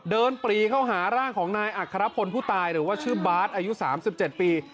ปรีเข้าหาร่างของนายอัครพลผู้ตายหรือว่าชื่อบาสอายุ๓๗ปี